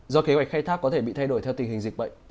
do kế hoạch khai thác có thể bị thay đổi theo tình hình dịch bệnh